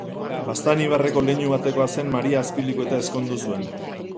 Baztan ibarreko leinu batekoa zen Maria Azpilikueta ezkondu zuen.